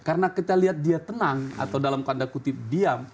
karena kita lihat dia tenang atau dalam kata kutip diam